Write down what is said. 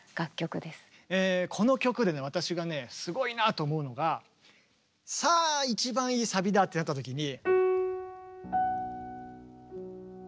私がねすごいなと思うのがさあ一番いいサビだってなった時に。